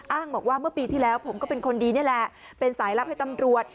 อ้างบอกว่าเมื่อปีที่แล้วผมก็เป็นคนดีนี่แหละเป็นสายลับให้ตำรวจ